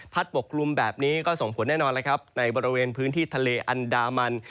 พัดปกครุมแบบนี้ก็ส่งผลแน่นอนในบริเวณพื้นที่ทะเลอันดามัน